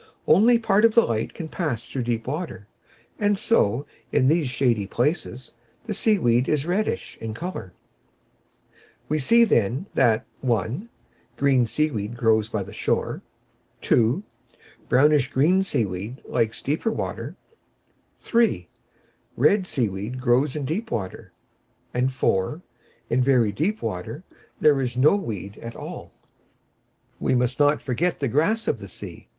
Only part of the light can pass through deep water; and so, in these shady places, the sea weed is reddish in colour. [Illustration: SEA MAT.] We see, then, that (1) green sea weed grows by the shore; (2) brownish green sea weed likes deeper water; (3) red sea weed grows in deep water; and (4) in very deep water there is no weed at all. We must not forget the grass of the sea.